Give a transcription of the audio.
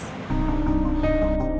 ketika aku sudah menikah